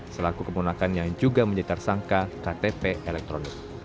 selaku kemulakan yang juga menyejar sangka ktp elektronik